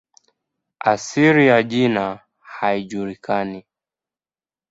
Asili ya jina haijulikani.